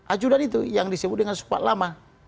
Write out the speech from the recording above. ajudan itu yang disebut dengan sempat lama